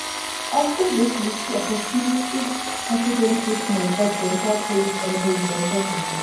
Often, this leads to opportunistic pathogens which may cause dental caries and periodontal disease.